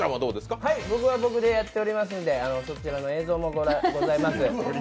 僕は僕でやっておりますのでそちらの映像もあります。